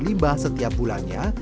limbah setiap bulannya